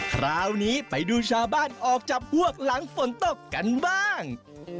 คราวนี้ไปดูชาวบ้านออกจับพวกหลังฝนตกกันบ้าง